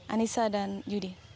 anissa dan yudi